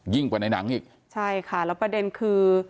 กว่าในหนังอีกใช่ค่ะแล้วประเด็นคือ